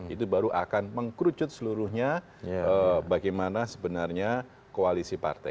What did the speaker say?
itu baru akan mengkerucut seluruhnya bagaimana sebenarnya koalisi partai